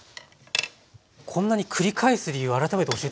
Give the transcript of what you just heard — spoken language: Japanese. こんなに繰り返す理由改めて教えてもらってもいいですか？